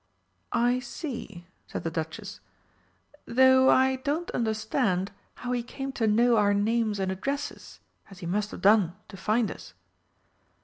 "I see," said the Duchess; "though I don't understand how he came to know our names and addresses, as he must have done to find us."